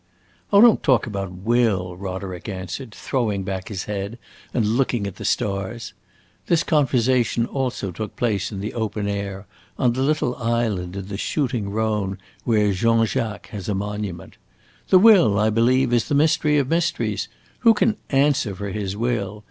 "Oh, don't talk about will!" Roderick answered, throwing back his head and looking at the stars. This conversation also took place in the open air, on the little island in the shooting Rhone where Jean Jacques has a monument. "The will, I believe, is the mystery of mysteries. Who can answer for his will?